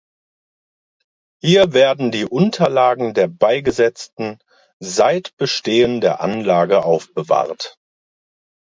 Hier werden die Unterlagen der Beigesetzten seit Bestehen der Anlage aufbewahrt.